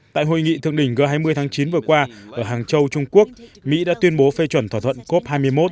tại hội nghị thượng đỉnh g hai mươi tháng chín vừa qua ở hàng châu trung quốc mỹ đã tuyên bố phê chuẩn thỏa thuận cop hai mươi một